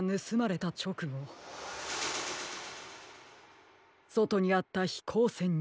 ちょくごそとにあったひこうせんに。